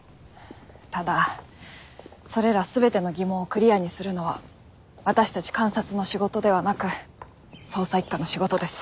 ただそれら全ての疑問をクリアにするのは私たち監察の仕事ではなく捜査一課の仕事です。